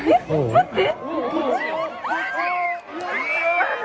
待って。